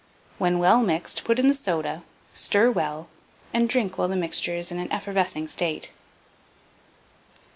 When well mixed, put in the soda, stir well, and drink while the mixture is in an effervescing state.